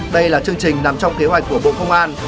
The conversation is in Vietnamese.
đây là chương trình nằm trong kế hoạch của bộ công an